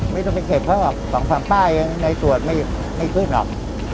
ไม่ต้องไปเก็บเพราะว่า๒๓ป้ายในส่วนไม่ขึ้นหรอก